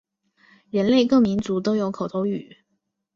人类各民族都有口头语。